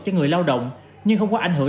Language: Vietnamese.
cho người lao động nhưng không có ảnh hưởng